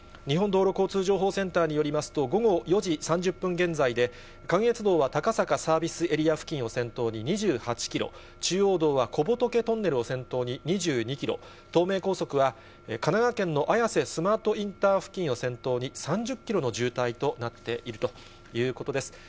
日本道路交通情報センターによりますと、午後４時３０分現在で、関越道は高坂サービスエリア付近を先頭に２８キロ、中央道は小仏トンネルを先頭に２２キロ、東名高速は神奈川県の綾瀬スマートインター付近を先頭に３０キロの渋滞となっているということです。